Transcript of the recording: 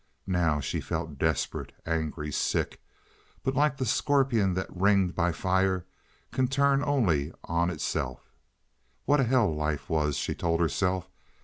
Now she felt desperate, angry, sick, but like the scorpion that ringed by fire can turn only on itself. What a hell life was, she told herself.